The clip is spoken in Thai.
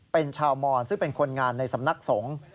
เป็นชาวมอนซึ่งเป็นคนงานในสำนักสงฆ์